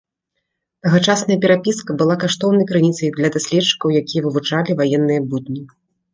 Тагачасная перапіска была каштоўнай крыніцай для даследчыкаў, якія вывучалі ваенныя будні.